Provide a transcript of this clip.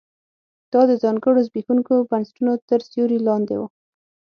دا د ځانګړو زبېښونکو بنسټونو تر سیوري لاندې و